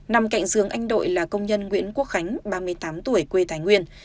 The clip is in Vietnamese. nằm cạnh giường anh đội là công nhân nguyễn quốc khánh ba mươi tám tuổi quê thái nguyên